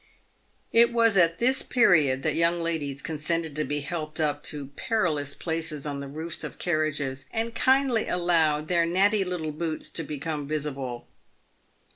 It was at this period that young ladies consented to be helped up to perilous places on the roofs of carriages, apd kindly allowed their natty little boots to be come visible.